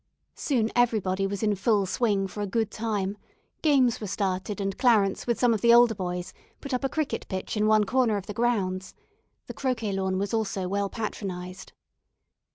Soon everybody was in full swing for a good time; games were started, and Clarence with some of the older boys put up a cricket pitch in one corner of the grounds. The croquet lawn was also well patronized.